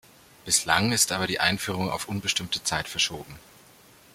Bislang ist aber die Einführung auf unbestimmte Zeit verschoben.